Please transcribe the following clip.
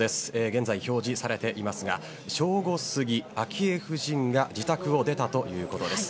現在、表示されていますが正午過ぎ、昭恵夫人が自宅を出たということです。